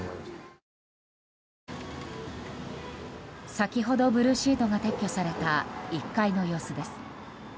先ほどブルーシートが撤去された１階の様子です。